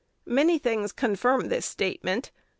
Many things confirm this statement.